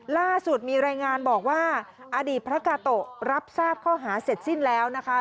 ล่าสุดมีรายงานบอกว่าอดีตพระกาโตะรับทราบข้อหาเสร็จสิ้นแล้วนะคะ